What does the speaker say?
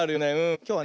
きょうはね